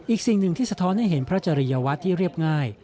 อีกสิ่งหนึ่งที่สะท้อนให้เห็นพระจริยวัตรที่เรียบง่าย